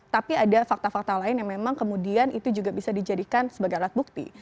tapi ada fakta fakta lain yang memang kemudian itu juga bisa dijadikan sebagai alat bukti